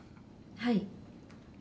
はい。